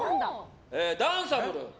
ダンサブル。